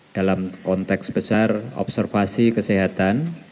dalam konteks besar observasi kesehatan